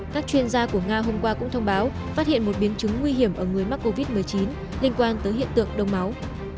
các chuyên gia của nga hôm qua cũng thông báo phát hiện một biến chứng nguy hiểm ở người mắc covid một mươi chín liên quan tới hiện tượng đông máu